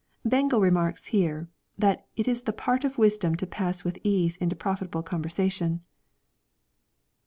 ] Bengel remarks here, that " it is the part of wisdom to pass with ease into profitable conversation."